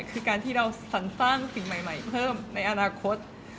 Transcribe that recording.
คือการที่เราสรรสร้างสิ่งใหม่เพิ่มในอนาคต